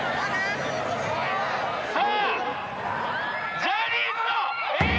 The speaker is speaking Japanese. さあジャニーズのＡぇ！